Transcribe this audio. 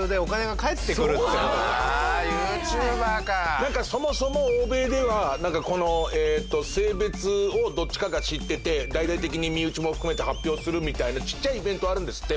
なんかそもそも欧米ではこの性別をどっちかが知ってて大々的に身内も含めて発表するみたいなちっちゃいイベントはあるんですって。